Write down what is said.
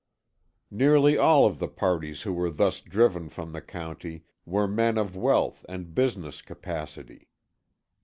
Nearly all of the parties who were thus driven from the county, were men of wealth and business capacity.